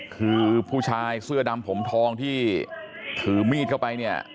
คือผู้ชายเสื้อดำผมทองที่ถือมีดเข้าไปเนี่ย